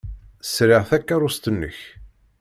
Sriɣ takeṛṛust-nnek.